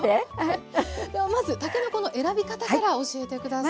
ではまずたけのこの選び方から教えて下さい。